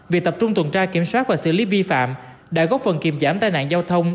việc tập trung tuần tra kiểm soát và xử lý vi phạm đã góp phần kiềm giảm tai nạn giao thông